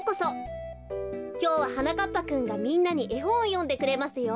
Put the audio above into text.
きょうははなかっぱくんがみんなにえほんをよんでくれますよ。